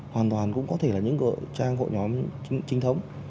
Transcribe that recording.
hoàn toàn cũng có thể là những trang hội nhóm trinh thống